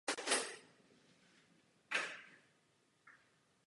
Věřím, že se jeho jméno zapíše do dějin Slovenské republiky.